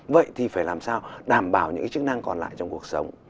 vậy thì phải làm sao đảm bảo những cái chức năng còn lại trong cuộc sống